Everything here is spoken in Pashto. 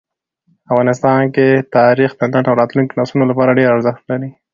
افغانستان کې تاریخ د نن او راتلونکي نسلونو لپاره ډېر زیات ارزښت لري.